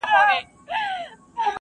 حرص او تمه او غرور سترګي ړندې کړي `